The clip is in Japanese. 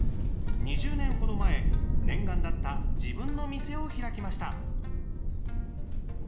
２０年ほど前念願だった自分の店を開きました。